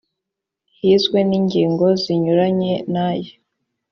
hizwe n ingingo zinyuranye n aya